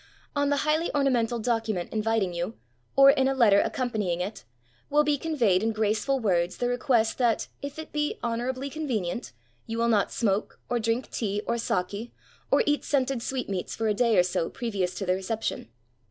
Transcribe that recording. On the highly ornamental document inviting you, or in a letter accompanying it, will be con veyed in graceful words the request that, if it be ''honor ably convenient," you will not smoke, or drink tea or saki, or eat scented sweetmeats for a day or so previous to the reception.